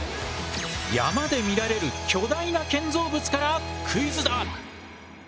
山で見られる巨大な建造物からクイズだ！